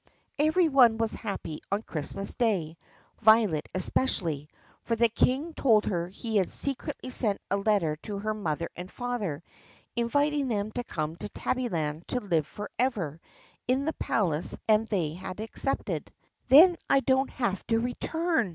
Every one was happy on Christmas Day — Violet especially, for the King told her he had secretly sent a letter to her mother and father inviting them to come to Tabbyland to live forever in the palace and they had accepted. "Then I don't have to return!"